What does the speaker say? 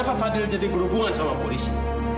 apakah fadil jadi berhubungan sama polisi